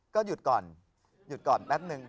ก็หยุดก่อน